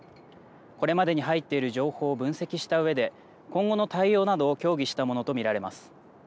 これまでに入っている情報を分析したうえで今後の対応などを協議したものと見られます。